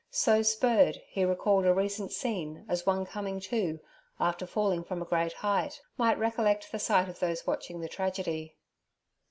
So spurred, he recalled a recent scene as one coming to, after falling from a great height, might recollect the sight of those watching the tragedy.